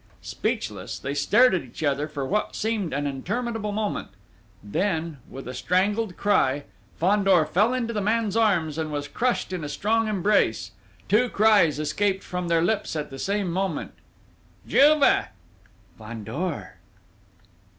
Speechless they stared at each other for what seemed an interminable moment; then, with a strangled cry, Fandor fell into the man's arms, and was crushed in a strong embrace. Two cries escaped from their lips at the same moment: "Juve!" "Fandor!"